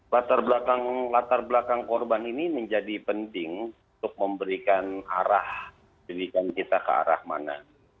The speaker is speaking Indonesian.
latar belakang korban ini menjadi penting untuk memberikan arah pendidikan kita ke arah mana